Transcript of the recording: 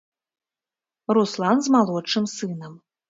Руслан з малодшым сынам.